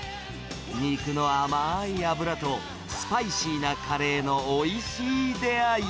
肉の甘い脂と、スパイシーなカレーのおいしい出会い。